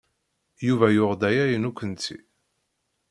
Yuba yuɣ-d aya i nekkenti.